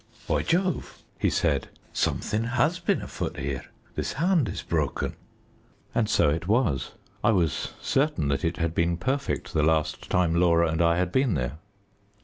"By Jove," he said, "something has been afoot here this hand is broken." And so it was. I was certain that it had been perfect the last time Laura and I had been there.